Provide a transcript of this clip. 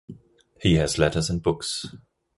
He has letters and books.